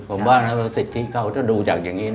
ผมว่าเราจะสิทธิเขาที่ดูจากอย่างนี้